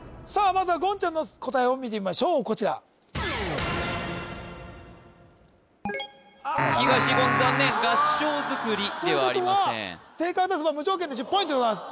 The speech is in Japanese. まずは言ちゃんの答えを見てみましょうこちら東言残念がっしょうづくりではありません正解を出せば無条件で１０ポイントでございます